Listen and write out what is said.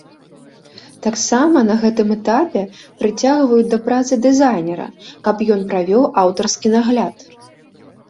Таксама, на гэтым этапе прыцягваюць да працы дызайнера, каб ён правёў аўтарскі нагляд.